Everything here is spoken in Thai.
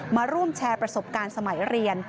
มาร่วมแชร์ประสบการณ์สมัยเรียน